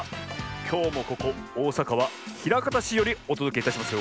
きょうもここおおさかはひらかたしよりおとどけいたしますよ。